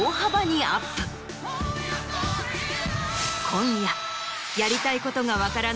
今夜。